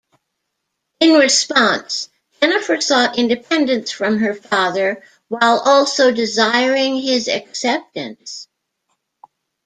In response, Jennifer sought independence from her father, while also desiring his acceptance.